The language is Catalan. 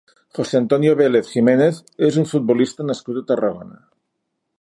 José Antonio Vélez Jiménez és un futbolista nascut a Tarragona.